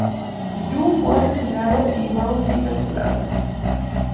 You fue asesinado, y Bao Si capturada.